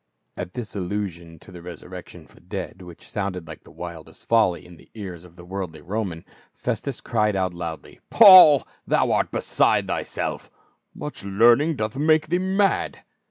"* At this allusion to the resurrection from the dead, which sounded like the wildest folly in the ears of the worldly Roman, Festus cried out loudly, "Paul, thou art beside thyself; much learning doth make thee mad